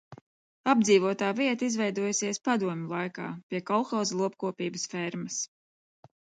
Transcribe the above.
Apdzīvotā vieta izveidojusies padomju laikā pie kolhoza lopkopības fermas.